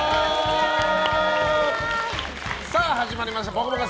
始まりました「ぽかぽか」